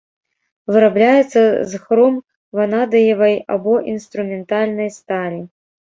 Вырабляецца з хром ванадыевай або інструментальнай сталі.